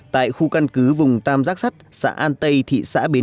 tại khu căn cứ vùng tam giác sắt xã an tây thị xã bến